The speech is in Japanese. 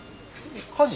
火事？